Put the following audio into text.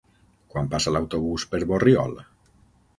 Quan passa l'autobús per Borriol?